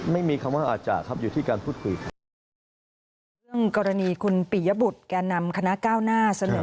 แสดงว่ามีความลืมไปได้ใช่ไหมครับ